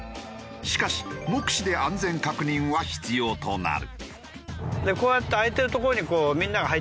しかし目視で安全確認は必要となる。